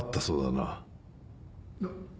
なっ。